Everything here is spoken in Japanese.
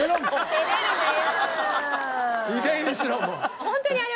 照れるなよ！